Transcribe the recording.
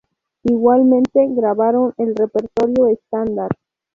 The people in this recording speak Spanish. Igualmente grabaron el repertorio estándar.